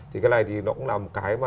thì cái này nó cũng là một cái